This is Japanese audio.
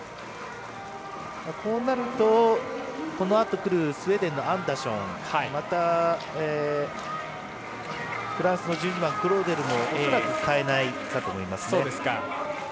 こうなると、このあと来るスウェーデンのアンダーションまたフランスの１２番、クローデルも恐らくかえないかと思います。